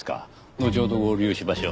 のちほど合流しましょう。